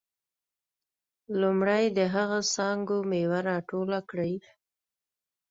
لومړی د هغه څانګو میوه راټوله کړئ.